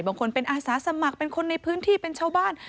บางคนเป็นอาสาสมัครเป็นคนในพื้นที่เป็นชาวบ้าน